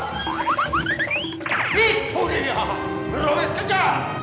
itu itu ada